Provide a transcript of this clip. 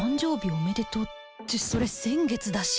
おめでとうってそれ先月だし